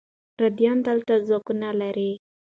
پردیان دلته ځواکونه لري.